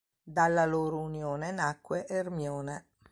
Dalla loro unione nacque Ermione.